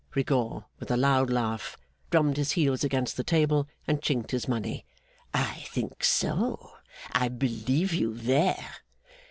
Rigaud, with a loud laugh, drummed his heels against the table, and chinked his money. 'I think so! I believe you there!